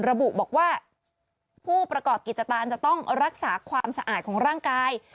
ระบุบอกว่าผู้ประกอบกิจการจะต้องรักษาความสะอาดของร่างกาย